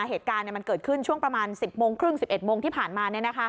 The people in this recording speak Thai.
เหตุการณ์มันเกิดขึ้นช่วงประมาณ๑๐๓๐๑๑๐๐ที่ผ่านมา